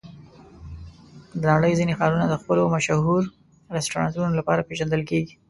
د نړۍ ځینې ښارونه د خپلو مشهور رستورانتونو لپاره پېژندل کېږي.